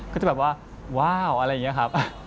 ก็จะแบบว่าว้าวอะไรอย่างนี้ครับ